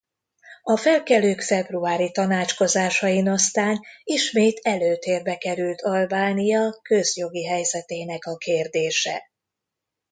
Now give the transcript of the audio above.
A felkelők februári tanácskozásain aztán ismét előtérbe került Albánia közjogi helyzetének a kérdése.